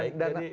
jauh lebih baik